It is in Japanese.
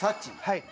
はい。